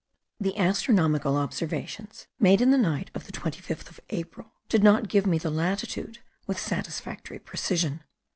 The astronomical observations made in the night of the 25th of April did not give me the latitude with satisfactory precision.